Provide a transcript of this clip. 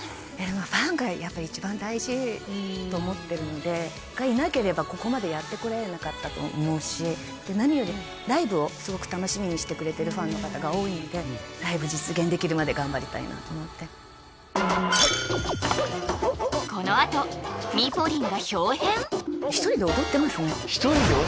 ファンがやっぱり一番大事と思ってるのでがいなければここまでやってこれなかったと思うしで何よりライブをすごく楽しみにしてくれてるファンの方が多いのでライブ実現できるまで頑張りたいなと思ってシュワー